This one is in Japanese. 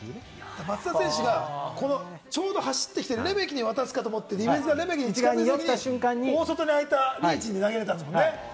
松田選手がちょうど走ってきてるレメキに渡すかと思って、ディフェンスが寄ってきた瞬間に外にあいたリーチに投げられたんですもんね。